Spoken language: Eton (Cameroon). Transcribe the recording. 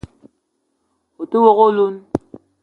O te wok oloun